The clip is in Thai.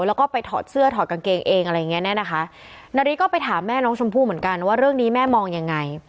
แล้วก็ไปถอดเสื้อถอดกางเกงเองอะไรอย่างเงี้แน่นะคะนาริสก็ไปถามแม่น้องชมพู่เหมือนกันว่าเรื่องนี้แม่มองยังไง